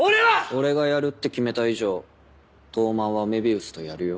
俺がやるって決めた以上東卍は愛美愛主とやるよ。